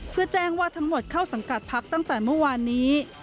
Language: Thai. เพื่อแจ้งว่าทั้งหมดเข้าสังกัดพักตั้งแต่เมื่อวานนี้